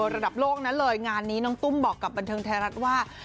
ระดับโลกนั้นเลยงานนี้น้องตุ้มบอกกับบันเทิงไทยรัฐว่า